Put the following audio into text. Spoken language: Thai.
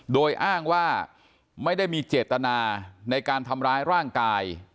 โดยอ้างว่าไม่ได้มีเจตนาในการทำร้ายร่างกาย